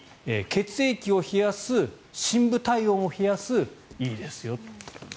血液を冷やす、深部体温を冷やすいいですよと。